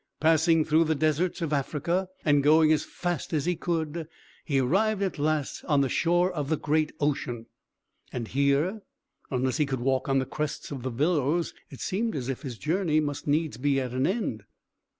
Passing through the deserts of Africa, and going as fast as he could, he arrived at last on the shore of the great ocean. And here, unless he could walk on the crests of the billows, it seemed as if his journey must needs be at an end.